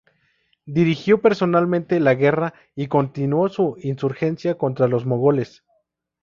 Dirigió personalmente la guerra y continuó la insurgencia contra los mogoles.